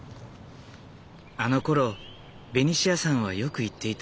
あのころベニシアさんはよく言っていた。